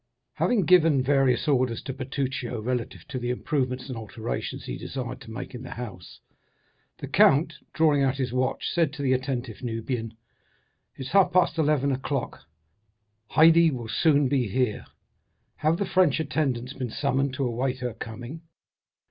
Having given various orders to Bertuccio relative to the improvements and alterations he desired to make in the house, the Count, drawing out his watch, said to the attentive Nubian: "It is half past eleven o'clock; Haydée will soon be here. Have the French attendants been summoned to await her coming?"